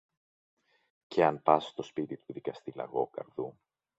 και αν πας στο σπίτι του δικαστή Λαγόκαρδου